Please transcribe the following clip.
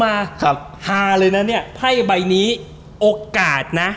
ภายใบนี้โอกาสนะ